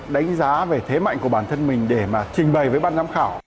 đánh giá về thế mạnh của bản thân mình để mà trình bày với ban giám khảo